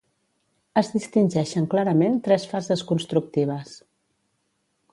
Es distingeixen clarament tres fases constructives.